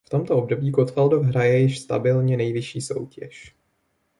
V tomto období Gottwaldov hraje již stabilně nejvyšší soutěž.